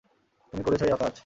তুমি করেছ এই অকাজ।